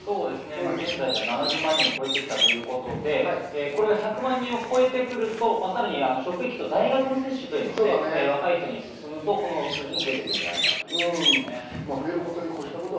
現在７０万人を超えてきたということで１００万人を超えてくると、さらに職域と大学の接種が進むと、この数字も増えてくるのではないかということです。